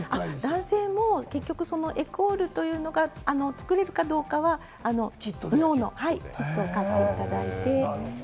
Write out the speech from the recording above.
男性もエクオールというのが作れるかどうかは、尿のキットを買っていただいて。